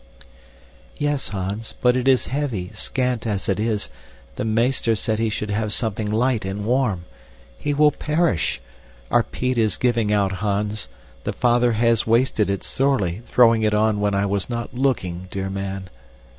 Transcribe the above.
"Yes, Hans, but it is heavy, scant as it is. The meester said he must have something light and warm. He will perish. Our peat is giving out, Hans. The father has wasted it sorely, throwing it on when I was not looking, dear man."